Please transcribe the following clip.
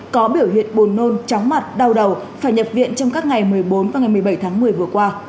có biểu hiện buồn nôn chóng mặt đau đầu phải nhập viện trong các ngày một mươi bốn và ngày một mươi bảy tháng một mươi vừa qua